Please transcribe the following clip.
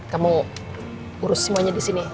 kamu urus semuanya di sini